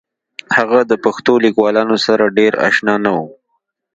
هغه د پښتو لیکوالانو سره ډېر اشنا نه و